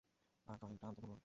আর ড্রয়িংটা আনতে ভুল না।